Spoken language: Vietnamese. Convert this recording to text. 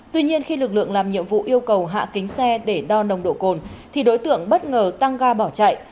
tuy nhiên khi lực lượng làm nhiệm vụ yêu cầu hạ kính xe để đo nồng độ cồn thì đối tượng bất ngờ tăng ga bỏ chạy